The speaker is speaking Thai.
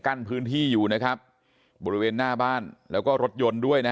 กั้นพื้นที่อยู่นะครับบริเวณหน้าบ้านแล้วก็รถยนต์ด้วยนะ